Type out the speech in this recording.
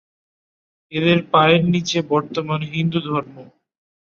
এঁদেরই পায়ের নীচে বর্তমান হিন্দুধর্ম।